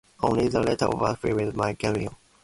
Only the latter was fulfilled by Galileo.